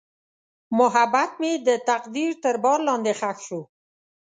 محبت مې د تقدیر تر بار لاندې ښخ شو.